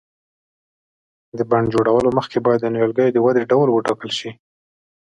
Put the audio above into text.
د بڼ جوړولو مخکې باید د نیالګیو د ودې ډول وټاکل شي.